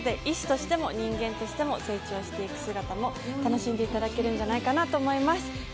心を閉ざした患者と接することで医師としても人間としても成長していく姿も楽しんでいただけるんじゃないかなと思います。